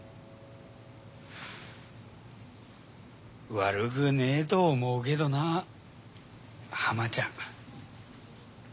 悪ぐねえと思うけどなハマちゃん。